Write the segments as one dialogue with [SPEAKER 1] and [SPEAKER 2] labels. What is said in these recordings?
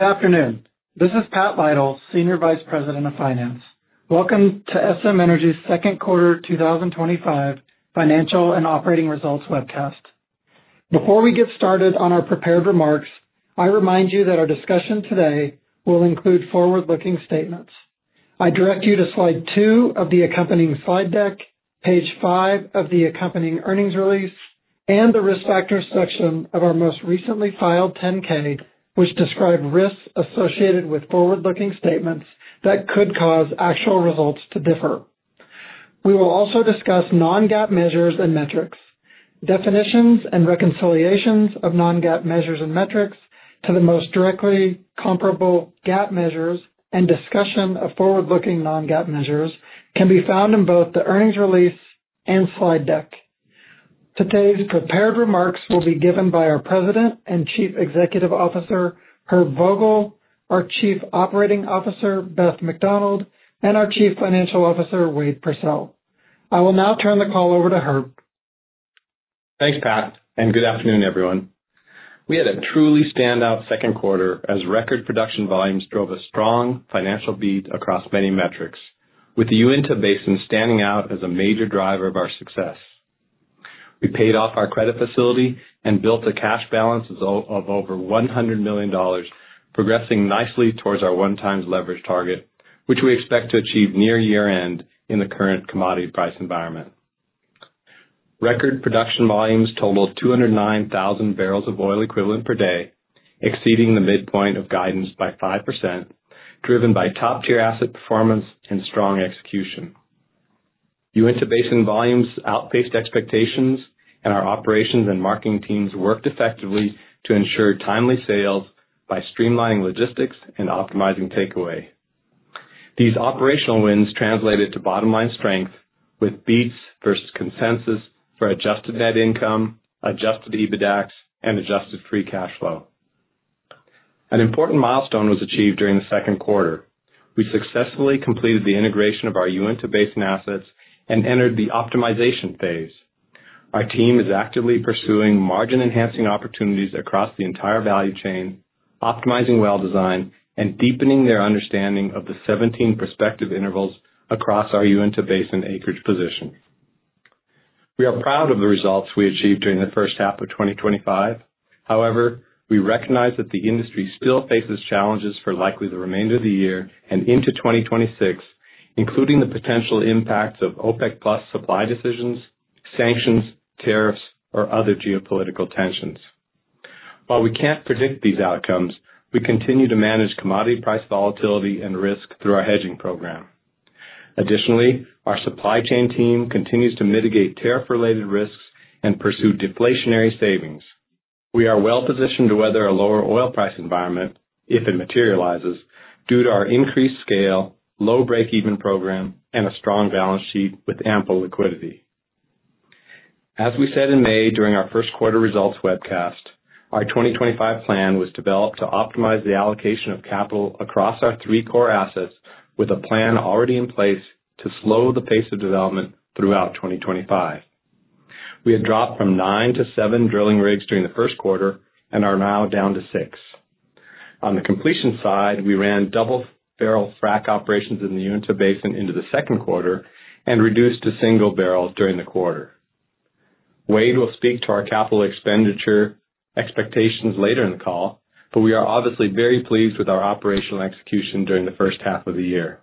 [SPEAKER 1] Good afternoon. This is Pat Lytle, Senior Vice President of Finance. Welcome to SM Energy's second quarter 2025 financial and operating results webcast. Before we get started on our prepared remarks, I remind you that our discussion today will include forward-looking statements. I direct you to Slide 2 of the accompanying slide deck, Page 5 of the accompanying earnings release, and the risk factors section of our most recently filed 10-K, which describes risks associated with forward-looking statements that could cause actual results to differ. We will also discuss non-GAAP measures and metrics, definitions and reconciliations of non-GAAP measures and metrics to the most directly comparable GAAP measures, and discussion of forward-looking non-GAAP measures can be found in both the earnings release and slide deck. Today's prepared remarks will be given by our President and Chief Executive Officer, Herb Vogel, our Chief Operating Officer, Beth McDonald, and our Chief Financial Officer, Wade Pursell. I will now turn the call over to Herb.
[SPEAKER 2] Thanks, Pat, and good afternoon, everyone. We had a truly standout second quarter as record production volumes drove a strong financial beat across many metrics, with the Uinta Basin standing out as a major driver of our success. We paid off our credit facility and built a cash balance of over $100 million, progressing nicely towards our 1x leverage target, which we expect to achieve near year-end in the current commodity price environment. Record production volumes totaled 209,000 bbl of oil equivalent per day, exceeding the midpoint of guidance by 5%, driven by top-tier asset performance and strong execution. Uinta Basin volumes outpaced expectations, and our operations and marketing teams worked effectively to ensure timely sales by streamlining logistics and optimizing takeaway. These operational wins translated to bottom-line strength, with beats versus consensus for Adjusted Net Income, Adjusted EBITDAX, and Adjusted Free Cash Flow. An important milestone was achieved during the second quarter. We successfully completed the integration of our Uinta Basin assets and entered the optimization phase. Our team is actively pursuing margin-enhancing opportunities across the entire value chain, optimizing well design, and deepening their understanding of the 17 prospective intervals across our Uinta Basin acreage position. We are proud of the results we achieved during the first half of 2025. However, we recognize that the industry still faces challenges for likely the remainder of the year and into 2026, including the potential impacts of OPEC+ supply decisions, sanctions, tariffs, or other geopolitical tensions. While we can't predict these outcomes, we continue to manage commodity price volatility and risk through our hedging program. Additionally, our supply chain team continues to mitigate tariff-related risks and pursue deflationary savings. We are well positioned to weather a lower oil price environment, if it materializes, due to our increased scale, low break-even program, and a strong balance sheet with ample liquidity. As we said in May during our first quarter results webcast, our 2025 plan was developed to optimize the allocation of capital across our three core assets, with a plan already in place to slow the pace of development throughout 2025. We had dropped from nine to seven drilling rigs during the first quarter and are now down to six. On the completion side, we ran double-barrel frac operations in the Uinta Basin into the second quarter and reduced to single-barrel during the quarter. Wade will speak to our capital expenditure expectations later in the call, but we are obviously very pleased with our operational execution during the first half of the year.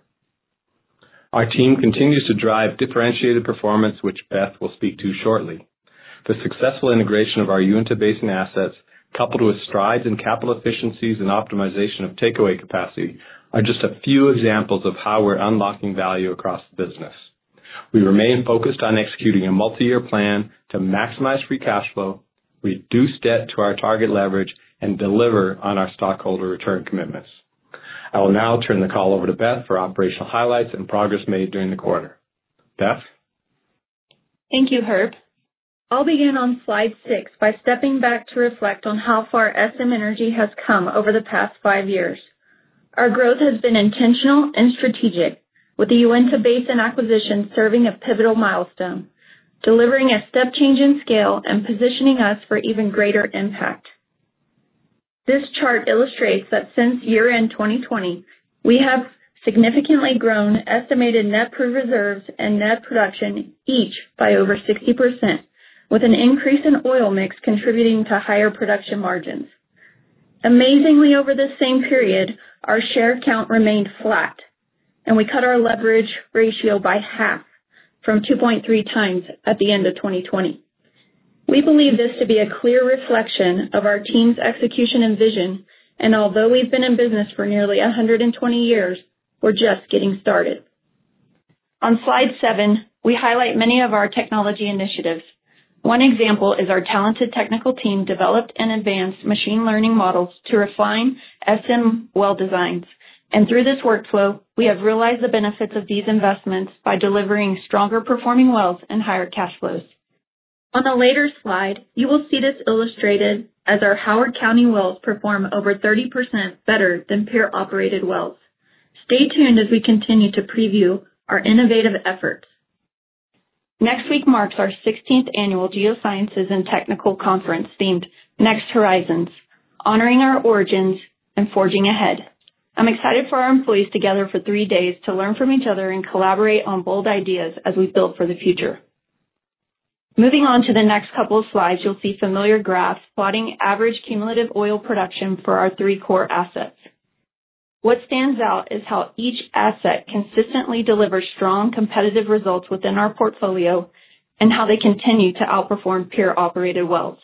[SPEAKER 2] Our team continues to drive differentiated performance, which Beth will speak to shortly. The successful integration of our Uinta Basin assets, coupled with strides in capital efficiencies and optimization of takeaway capacity, are just a few examples of how we're unlocking value across the business. We remain focused on executing a multi-year plan to maximize free cash flow, reduce debt to our target leverage, and deliver on our stockholder return commitments. I will now turn the call over to Beth for operational highlights and progress made during the quarter. Beth?
[SPEAKER 3] Thank you, Herb. I'll begin on Slide 6 by stepping back to reflect on how far SM Energy has come over the past five years. Our growth has been intentional and strategic, with the Uinta Basin acquisition serving a pivotal milestone, delivering a step change in scale and positioning us for even greater impact. This chart illustrates that since year-end 2020, we have significantly grown estimated net proved reserves and net production each by over 60%, with an increase in oil mix contributing to higher production margins. Amazingly, over this same period, our share count remained flat, and we cut our leverage ratio by half from 2.3x at the end of 2020. We believe this to be a clear reflection of our team's execution and vision, and although we've been in business for nearly 120 years, we're just getting started. On Slide 7, we highlight many of our technology initiatives. One example is our talented technical team developed and advanced machine learning models to refine SM well designs, and through this workflow, we have realized the benefits of these investments by delivering stronger performing wells and higher cash flows. On a later slide, you will see this illustrated as our Howard County wells perform over 30% better than peer-operated wells. Stay tuned as we continue to preview our innovative efforts. Next week marks our 16th annual Geosciences and Technical Conference themed "Next Horizons: Honoring Our Origins and Forging Ahead." I'm excited for our employees to gather for three days to learn from each other and collaborate on bold ideas as we build for the future. Moving on to the next couple of slides, you'll see familiar graphs plotting average cumulative oil production for our three core assets. What stands out is how each asset consistently delivers strong competitive results within our portfolio and how they continue to outperform peer-operated wells.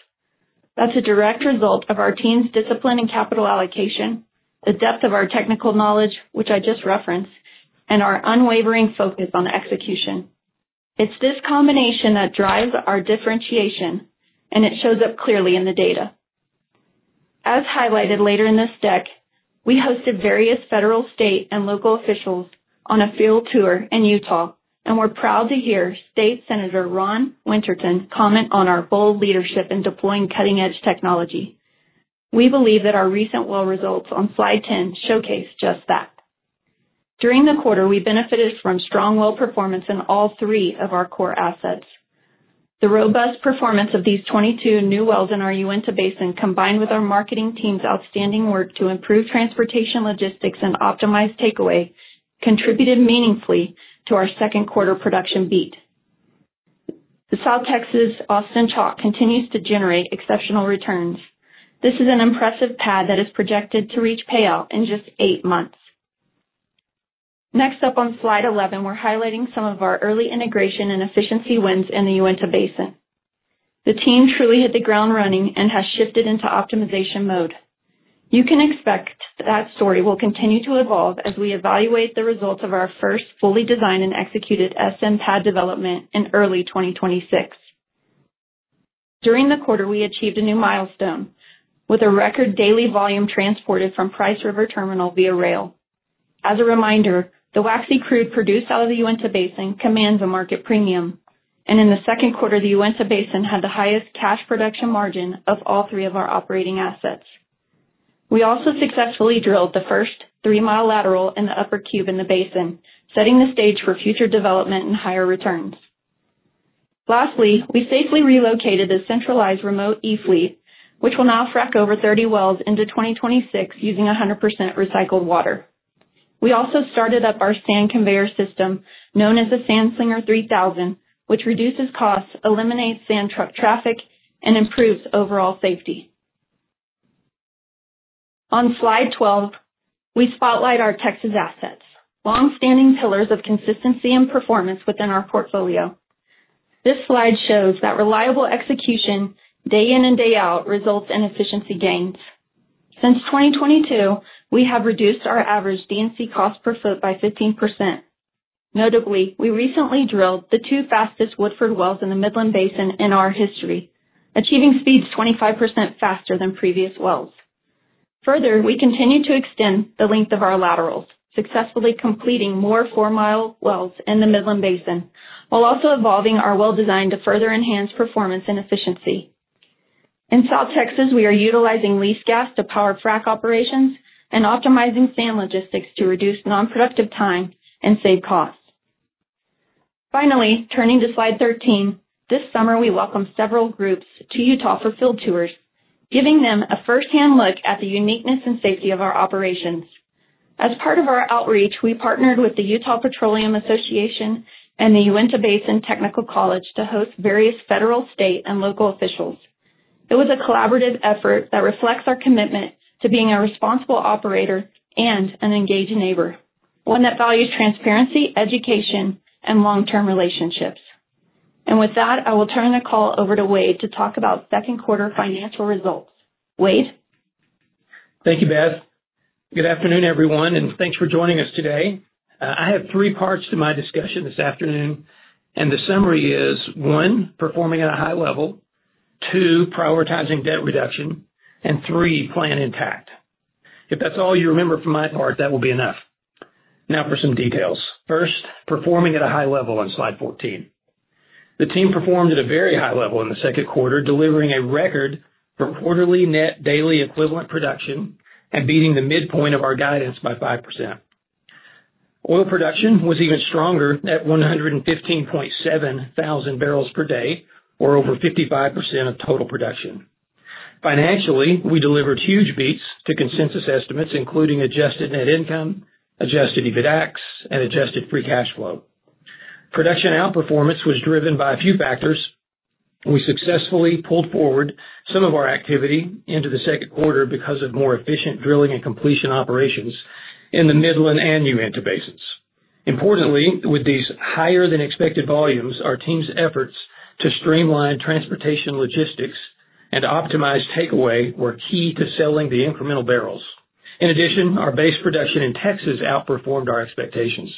[SPEAKER 3] That's a direct result of our team's discipline and capital allocation, the depth of our technical knowledge, which I just referenced, and our unwavering focus on execution. It's this combination that drives our differentiation, and it shows up clearly in the data. As highlighted later in this deck, we hosted various federal, state, and local officials on a field tour in Utah and were proud to hear Utah State Senator Ron Winterton comment on our bold leadership in deploying cutting-edge technology. We believe that our recent well results on slide 10 showcase just that. During the quarter, we benefited from strong well performance in all three of our core assets. The robust performance of these 22 new wells in our Uinta Basin, combined with our marketing team's outstanding work to improve transportation logistics and optimize takeaway, contributed meaningfully to our second quarter production beat. The South Texas Austin Chalk continues to generate exceptional returns. This is an impressive pad that is projected to reach payout in just eight months. Next up on Slide 11, we're highlighting some of our early integration and efficiency wins in the Uinta Basin. The team truly hit the ground running and has shifted into optimization mode. You can expect that story will continue to evolve as we evaluate the results of our first fully designed and executed SM pad development in early 2026. During the quarter, we achieved a new milestone with a record daily volume transported from Price River Terminal via rail. As a reminder, the waxy crude produced out of the Uinta Basin commands a market premium, and in the second quarter, the Uinta Basin had the highest cash production margin of all three of our operating assets. We also successfully drilled the first three-mile lateral in the Upper Cube in the basin, setting the stage for future development and higher returns. Lastly, we safely relocated a centralized remote E-fleet, which will now frac over 30 wells into 2026 using 100% recycled water. We also started up our sand conveyor system, known as the Sand Slinger 3000, which reduces costs, eliminates sand truck traffic, and improves overall safety. On slide 12, we spotlight our Texas assets, long-standing pillars of consistency and performance within our portfolio. This slide shows that reliable execution day in and day out results in efficiency gains. Since 2022, we have reduced our average D&C cost per foot by 15%. Notably, we recently drilled the two fastest Woodford wells in the Midland Basin in our history, achieving speeds 25% faster than previous wells. Further, we continue to extend the length of our laterals, successfully completing more 4-mile wells in the Midland Basin, while also evolving our well design to further enhance performance and efficiency. In South Texas, we are utilizing lease gas to power frac operations and optimizing sand logistics to reduce non-productive time and save costs. Finally, turning to Slide 13, this summer we welcomed several groups to Utah for field tours, giving them a firsthand look at the uniqueness and safety of our operations. As part of our outreach, we partnered with the Utah Petroleum Association and the Uinta Basin Technical College to host various federal, state, and local officials. It was a collaborative effort that reflects our commitment to being a responsible operator and an engaged neighbor, one that values transparency, education, and long-term relationships, and with that, I will turn the call over to Wade to talk about second quarter financial results. Wade.
[SPEAKER 4] Thank you, Beth. Good afternoon, everyone, and thanks for joining us today. I have three parts to my discussion this afternoon, and the summary is: one, performing at a high level; two, prioritizing debt reduction; and three, plan intact. If that's all you remember from my part, that will be enough. Now for some details. First, performing at a high level on Slide 14. The team performed at a very high level in the second quarter, delivering a record for quarterly net daily equivalent production and beating the midpoint of our guidance by 5%. Oil production was even stronger at 115,700 bbl per day, or over 55% of total production. Financially, we delivered huge beats to consensus estimates, including Adjusted Net Income, Adjusted EBITDAX, and Adjusted Free Cash Flow. Production outperformance was driven by a few factors. We successfully pulled forward some of our activity into the second quarter because of more efficient drilling and completion operations in the Midland and Uinta basins. Importantly, with these higher-than-expected volumes, our team's efforts to streamline transportation logistics and optimize takeaway were key to selling the incremental barrels. In addition, our base production in Texas outperformed our expectations.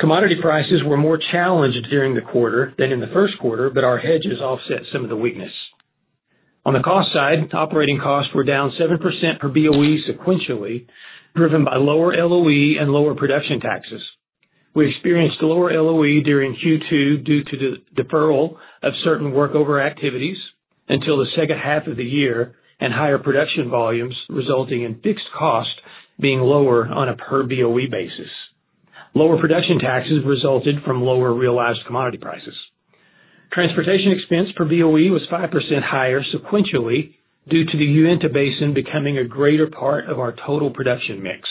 [SPEAKER 4] Commodity prices were more challenged during the quarter than in the first quarter, but our hedges offset some of the weakness. On the cost side, operating costs were down 7% per BOE sequentially, driven by lower LOE and lower production taxes. We experienced lower LOE during Q2 due to the deferral of certain workover activities until the second half of the year and higher production volumes, resulting in fixed costs being lower on a per BOE basis. Lower production taxes resulted from lower realized commodity prices. Transportation expense per BOE was 5% higher sequentially due to the Uinta Basin becoming a greater part of our total production mix.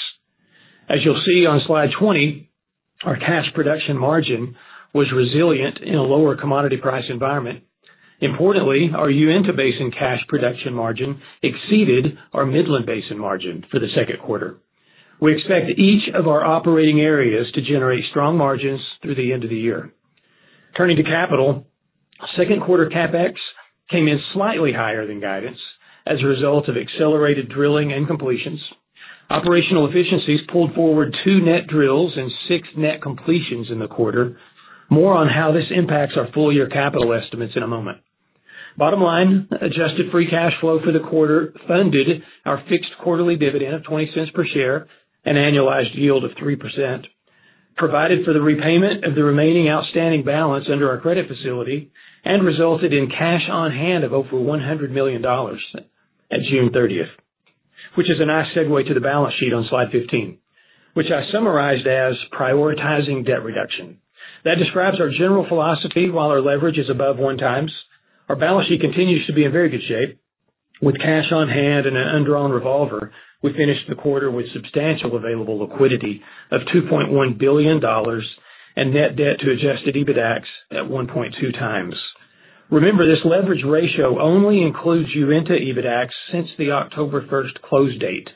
[SPEAKER 4] As you'll see on Slide 20, our cash production margin was resilient in a lower commodity price environment. Importantly, our Uinta Basin cash production margin exceeded our Midland Basin margin for the second quarter. We expect each of our operating areas to generate strong margins through the end of the year. Turning to capital, second quarter CapEx came in slightly higher than guidance as a result of accelerated drilling and completions. Operational efficiencies pulled forward two net drills and six net completions in the quarter. More on how this impacts our full-year capital estimates in a moment. Bottom line, adjusted free cash flow for the quarter funded our fixed quarterly dividend of $0.20 per share, an annualized yield of 3%, provided for the repayment of the remaining outstanding balance under our credit facility, and resulted in cash on hand of over $100 million at June 30th, which is a nice segue to the balance sheet on Slide 15, which I summarized as prioritizing debt reduction. That describes our general philosophy while our leverage is above 1x. Our balance sheet continues to be in very good shape. With cash on hand and an undrawn revolver, we finished the quarter with substantial available liquidity of $2.1 billion and net debt to adjusted EBITDAX at 1.2x. Remember, this leverage ratio only includes Uinta EBITDAX since the October 1st close date.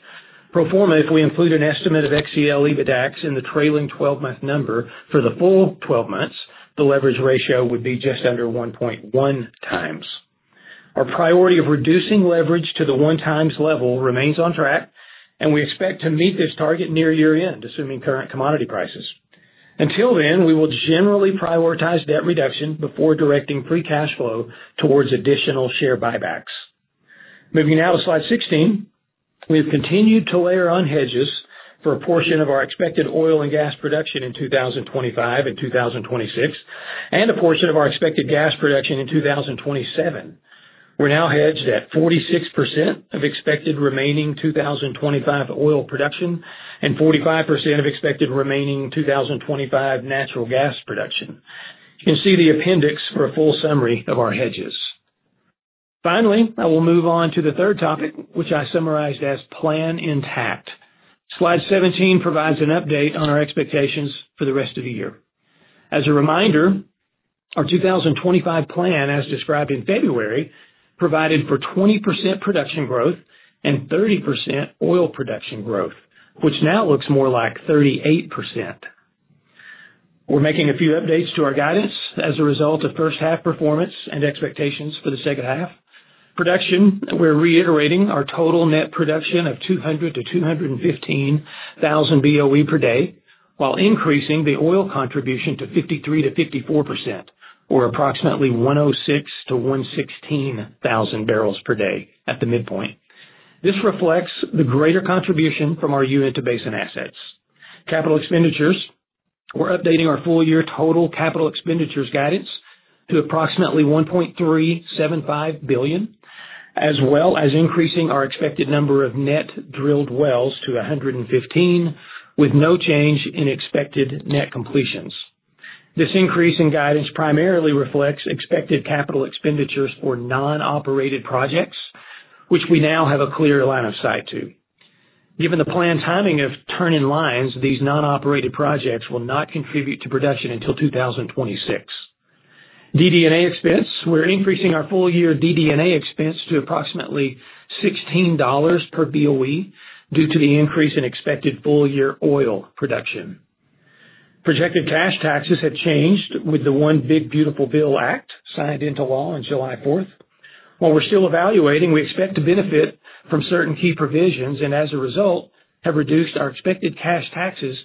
[SPEAKER 4] Pro forma, if we include an estimate of XCL EBITDAX in the trailing 12-month number for the full 12 months, the leverage ratio would be just under 1.1 times. Our priority of reducing leverage to the 1x level remains on track, and we expect to meet this target near year-end, assuming current commodity prices. Until then, we will generally prioritize debt reduction before directing free cash flow towards additional share buybacks. Moving now to Slide 16, we have continued to layer on hedges for a portion of our expected oil and gas production in 2025 and 2026, and a portion of our expected gas production in 2027. We're now hedged at 46% of expected remaining 2025 oil production and 45% of expected remaining 2025 natural gas production. You can see the appendix for a full summary of our hedges. Finally, I will move on to the third topic, which I summarized as plan intact. Slide 17 provides an update on our expectations for the rest of the year. As a reminder, our 2025 plan, as described in February, provided for 20% production growth and 30% oil production growth, which now looks more like 38%. We're making a few updates to our guidance as a result of first-half performance and expectations for the second half. Production, we're reiterating our total net production of 200,000-215,000 BOE per day, while increasing the oil contribution to 53%-54%, or approximately 106,000 bbl-116,000 bbl per day at the midpoint. This reflects the greater contribution from our Uinta Basin assets. Capital expenditures, we're updating our full-year total capital expenditures guidance to approximately $1.375 billion, as well as increasing our expected number of net drilled wells to 115, with no change in expected net completions. This increase in guidance primarily reflects expected capital expenditures for non-operated projects, which we now have a clear line of sight to. Given the planned timing of turn-in lines, these non-operated projects will not contribute to production until 2026. DD&A expense, we're increasing our full-year DD&A expense to approximately $16 per BOE due to the increase in expected full-year oil production. Projected cash taxes have changed with the One Big Beautiful Bill Act signed into law on July 4th. While we're still evaluating, we expect to benefit from certain key provisions and, as a result, have reduced our expected cash taxes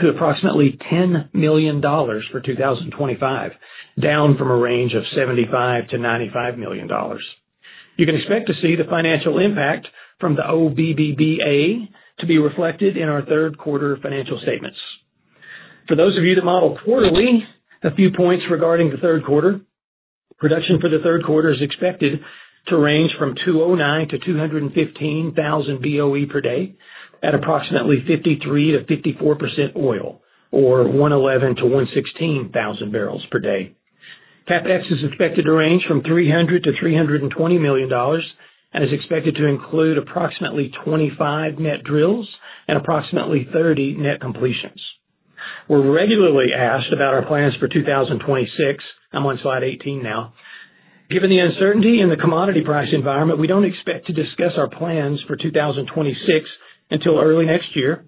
[SPEAKER 4] to approximately $10 million for 2025, down from a range of $75 million-$95 million. You can expect to see the financial impact from the OBBBA to be reflected in our third quarter financial statements. For those of you that model quarterly, a few points regarding the third quarter. Production for the third quarter is expected to range from 209,000-215,000 BOE per day at approximately 53%-54% oil, or 111,000 bbl-116,000 bbl per day. CapEx is expected to range from $300 million-$320 million and is expected to include approximately 25 net drills and approximately 30 net completions. We're regularly asked about our plans for 2026. I'm on Slide 18 now. Given the uncertainty in the commodity price environment, we don't expect to discuss our plans for 2026 until early next year.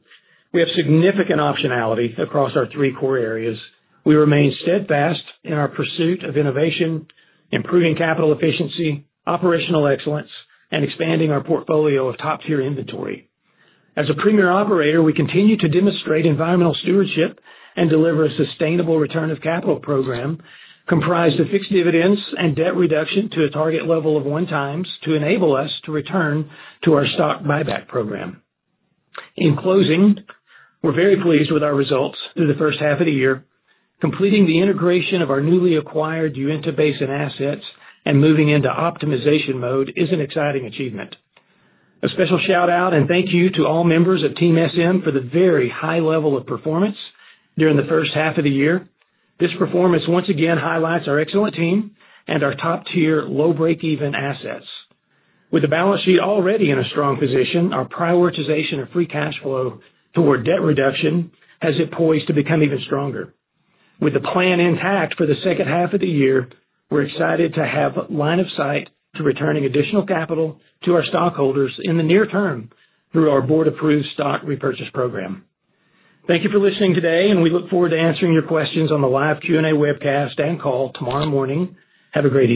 [SPEAKER 4] We have significant optionality across our three core areas. We remain steadfast in our pursuit of innovation, improving capital efficiency, operational excellence, and expanding our portfolio of top-tier inventory. As a premier operator, we continue to demonstrate environmental stewardship and deliver a sustainable return of capital program comprised of fixed dividends and debt reduction to a target level of one times to enable us to return to our stock buyback program. In closing, we're very pleased with our results through the first half of the year. Completing the integration of our newly acquired Uinta Basin assets and moving into optimization mode is an exciting achievement. A special shout-out and thank you to all members of Team SM for the very high level of performance during the first half of the year. This performance once again highlights our excellent team and our top-tier low-break-even assets. With the balance sheet already in a strong position, our prioritization of free cash flow toward debt reduction has been poised to become even stronger. With the plan intact for the second half of the year, we're excited to have a line of sight to returning additional capital to our stockholders in the near term through our board-approved stock repurchase program. Thank you for listening today, and we look forward to answering your questions on the live Q&A webcast and call tomorrow morning. Have a great day.